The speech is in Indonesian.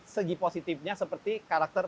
segi positifnya seperti karakter